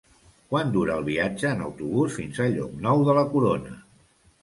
Quant dura el viatge en autobús fins a Llocnou de la Corona?